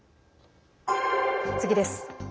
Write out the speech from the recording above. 次です。